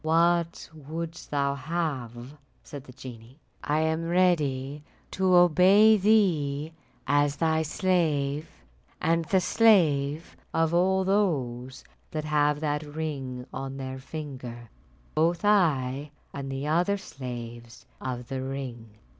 "What wouldst thou have?" said the genie, "I am ready to obey thee as thy slave, and the slave of all those that have that ring on their finger; both I and the other slaves of the ring."